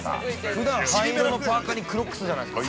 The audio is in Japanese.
◆ふだん、灰色のパーカーにクロックスじゃないですか。